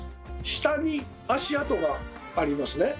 下に足跡がありますね。